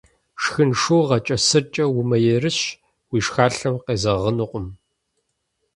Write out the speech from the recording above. Шхын шыугъэкӏэ, сыркӏэ умыерыщ, уи шхалъэм къезэгъынукъым.